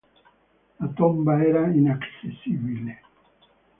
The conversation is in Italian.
La tomba era inaccessibile.